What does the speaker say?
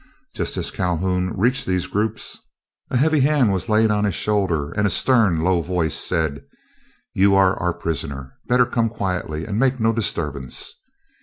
Just as Calhoun reached these groups, a heavy hand was laid on his shoulder, and a stern low voice said: "You are our prisoner; better come quietly and make no disturbance."